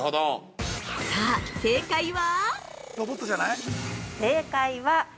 ◆さぁ、正解は？